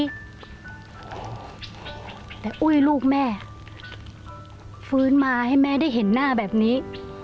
แต่อุ้ยลูกแม่ฟื้นมาให้แม่ได้เห็นหน้าแบบนี้